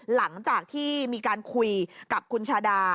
หลังจากที่มีการคุยกับคุณชาดา